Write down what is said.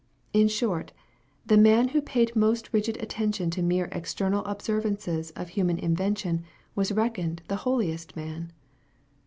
In short, the man who paid most rigid attention to mere external observances of humac invention was reckoned the holiest man